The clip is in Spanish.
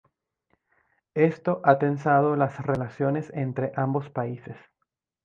Esto ha tensado las relaciones entre ambos países.